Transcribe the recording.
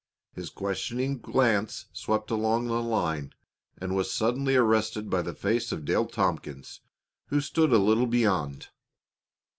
His questioning glance swept along the line and was suddenly arrested by the face of Dale Tompkins, who stood a little beyond.